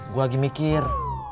gua lagi mikir